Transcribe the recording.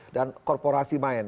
dan korporasi main